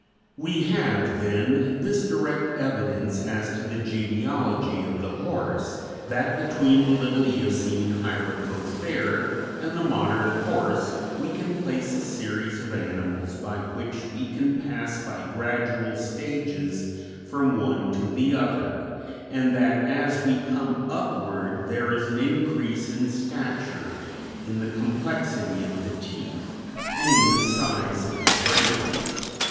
We have, then, this direct evidence as to the genealogy of the horse, that between the little Eocene Hyracothere and the modern horse we can place a series of animals by which we can pass by gradual stages from one to the other, and that as we come upward there is an increase in stature, in the complexity of the teeth, and in the size of the brain.